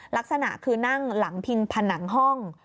ลักษณะคือนั่งหลังพิงผนังห้อง